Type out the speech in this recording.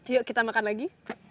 yuk kita makan lagi